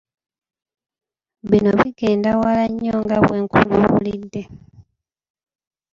Bino bigenda wala nnyo nga bwe nkubuulidde.